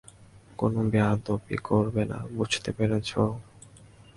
কোনো বেয়াদবি করবে না, বুঝতে পেরেছো?